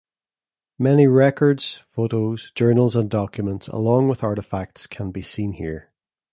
Many records, photos, journals and documents along with artifacts can be seen here.